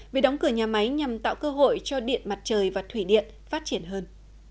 việc đóng cửa nhà máy nhằm tạo cơ hội cho điện mặt trời và thủy điện phát triển hơn